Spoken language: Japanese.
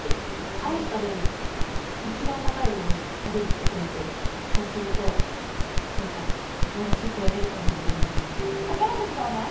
アイス食べんの一番高いのを食べるって決めてるそうするとなんかまだちょっとやれるかもって思う宝くじ買わない？